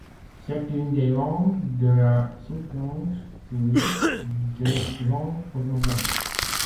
C'est une des langues de la sous-branche tsouique des langues formosanes.